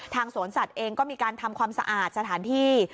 สวนสัตว์เองก็มีการทำความสะอาดสถานที่